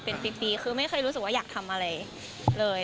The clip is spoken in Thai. เป็นปีคือไม่เคยรู้สึกว่าอยากทำอะไรเลย